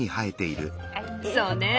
そうね。